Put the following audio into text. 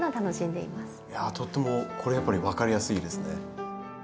いやとてもこれやっぱり分かりやすいですね。